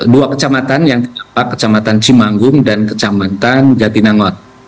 dua kecamatan yang terdampak kecamatan cimanggung dan kecamatan jatinangot